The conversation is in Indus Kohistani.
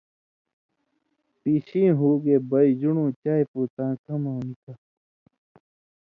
”پیشیں ہُوگے، بئ ژُن٘ڑوں چائ پُو تاں کمؤں نِکہ“